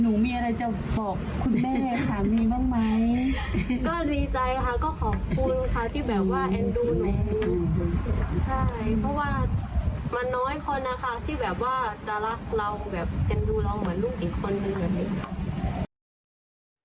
เอ็นดูเราเหมือนลูกอีกคน